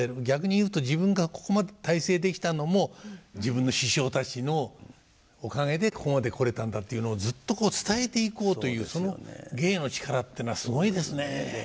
逆に言うと自分がここまで大成できたのも自分の師匠たちのおかげでここまで来れたんだっていうのをずっと伝えていこうというその芸の力っていうのはすごいですね。